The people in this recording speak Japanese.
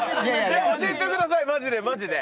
教えてくださいマジでマジで。